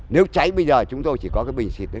nếu cháy bây giờ chúng tôi chỉ có cái bình xịt